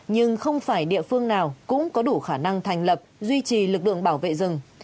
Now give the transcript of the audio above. nhưng không phải địa phương nào cũng có đủ khả năng thành lập duy trì lực lượng bảo vệ rừng